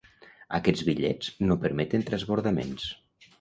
Aquests bitllets no permeten transbordaments.